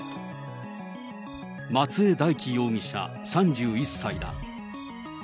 松江大樹容疑者３１歳だ。